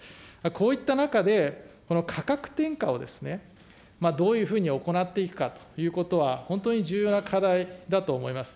こういった中で、この価格転嫁をどういうふうに行っていくかということは本当に重要な課題だと思います。